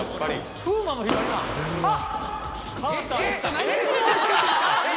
あっ！